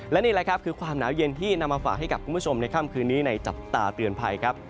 และนี่แหละครับคือความหนาวเย็นที่นำมาฝากให้กับคุณผู้ชมในค่ำคืนนี้ในจับตาเตือนภัยครับ